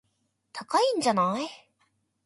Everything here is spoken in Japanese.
高いんじゃない